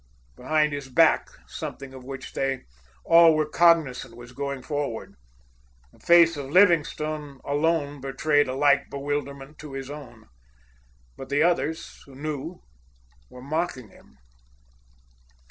Behind his back, something of which they all were cognizant was going forward. The face of Livingstone alone betrayed a like bewilderment to his own. But the others, who knew, were mocking him.